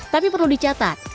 tapi perlu dicatat